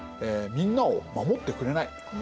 そんな守ってくれない。